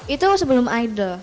itu sebelum idol